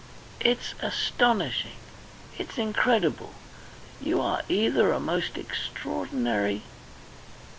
"It's astonishing. It's incredible. You are either a most extraordinary...